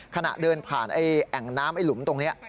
ขณะเดินผ่านไอ้แอ่งน้ำไอ้หลุมตรงนี้